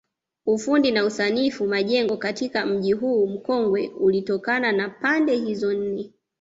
Ufundi na usanifu majengo katika mji huu mkongwe ulitokana na pande hizo nne